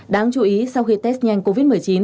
đáng chú ý sau khi test nhanh covid một mươi chín